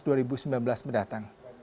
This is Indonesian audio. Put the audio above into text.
ketua kpu berkata